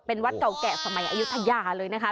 เป็นวัดเก่าแก่สมัยอายุทยาเลยนะคะ